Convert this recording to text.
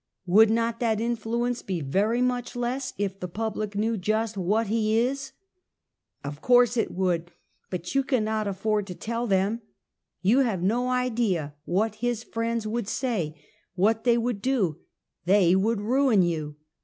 " "Would not that influence be very much less if the public knew just what he is? "" Of course it would, but you cannot afford to tell them. You have no idea what his friends would say, what they would do. They would ruin you."